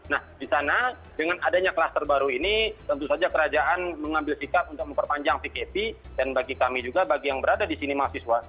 nah di sana dengan adanya klaster baru ini tentu saja kerajaan mengambil sikap untuk memperpanjang pkp dan bagi kami juga bagi yang berada di sini mahasiswa